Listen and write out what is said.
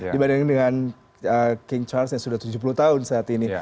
dibandingkan dengan king charles yang sudah tujuh puluh tahun saat ini